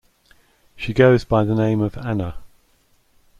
She goes by the name of Anna.